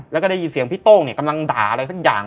แล้วก็ได้ยินเสียงพี่โต้งกำลังด่าอะไรสักอย่าง